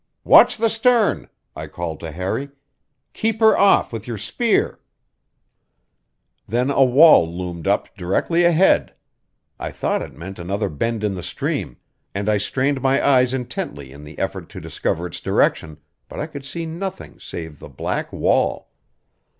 "Watch the stern!" I called to Harry. "Keep her off with your spear!" Then a wall loomed up directly ahead. I thought it meant another bend in the stream, and I strained my eyes intently in the effort to discover its direction, but I could see nothing save the black wall.